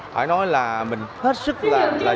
phải nói là mình hết sức là